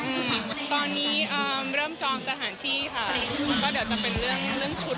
อืมตอนนี้เอ่อเริ่มจองสถานที่ค่ะก็เดี๋ยวจะเป็นเรื่องเรื่องชุด